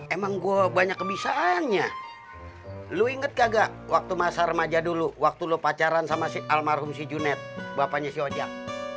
emang gua banyak kebisaannya lu inget gak waktu masa remaja dulu waktu lu pacaran sama si almarhum si junet bapanya si ojak